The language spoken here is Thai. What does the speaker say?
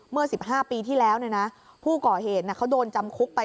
เมื่อ๑๕ปีที่แล้วผู้ก่อเหตุเขาโดนจำคุกไป